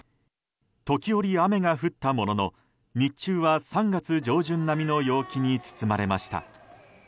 時折、雨が降ったものの日中は３月上旬並みの陽気に包まれました。